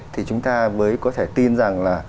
thì chúng ta mới có thể tin rằng là